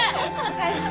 返して。